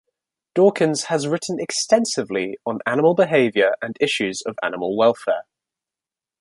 Dawkins has written extensively on animal behaviour and issues of animal welfare.